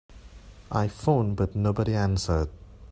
I phoned but nobody answered.